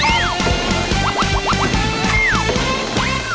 อีกครึ่ง